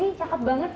ini cakep banget